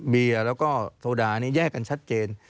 เบียร์แล้วก็โซดานี่แยกกันชัดเจน